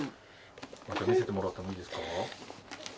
見せてもらっていいですか？